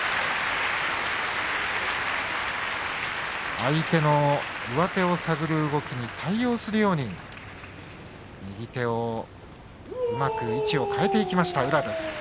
相手の上手を探る動きに対応するように右手をうまく位置を変えていきました宇良。